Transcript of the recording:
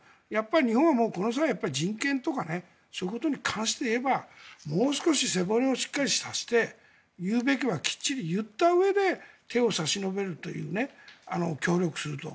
日本はこの際、人権とかそういうことに関していえばもう少し背骨をしっかりさせて言うべきはきっちりと言ったうえで手を差し伸べるという協力すると。